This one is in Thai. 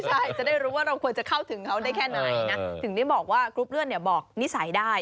ใช่จะได้รู้ว่าเราควรจะเข้าถึงเขาได้แค่ไหนนะถึงได้บอกว่ากรุ๊ปเลื่อนเนี่ยบอกนิสัยได้